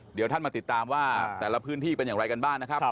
เดี๋ยวท่านมาติดตามว่าแต่ละพื้นที่เป็นอย่างไรกันบ้างนะครับ